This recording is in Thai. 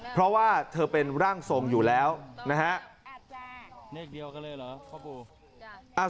เพราะว่าเธอเป็นร่างทรงอยู่แล้วนะฮะ